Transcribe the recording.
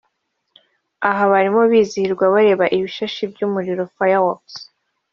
aha barimo bizihirwa bareba ibishashi by'urumuri(Fireworks)